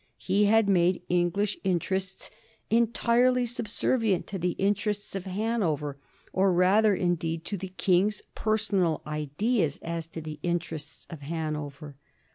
He had made English interests entirely subservient to the interests of Hanover ; or rather, indeed, to the King^s personal ideas as to the interests of Hanover.